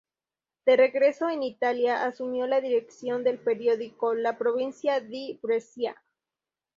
De regreso en Italia, asumió la dirección del periódico "La Provincia di Brescia".